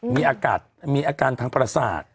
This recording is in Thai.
มีอาการทางปรศาสตร์